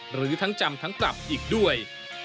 หรือทั้งจำทั้งปรับอีกด้วย